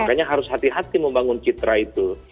makanya harus hati hati membangun citra itu